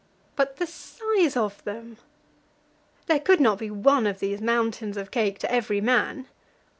But the size of them! there could not be one of those mountains of cake to every man?